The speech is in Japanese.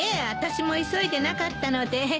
あたしも急いでなかったので。